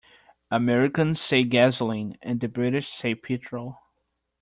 Americans say gasoline and the British say petrol.